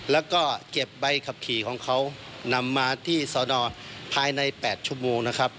แล้วก็เก็บใบขับขี่ของเขานำมาที่สอนอภายใน๘ชั่วโมงนะครับ